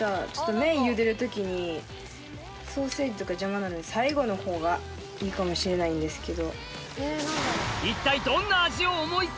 麺ゆでる時にソーセージとか邪魔なんで最後のほうがいいかもしれないんですけど。